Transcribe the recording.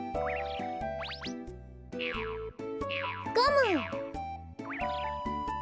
ゴム！